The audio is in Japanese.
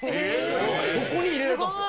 ここに入れられたんですよ。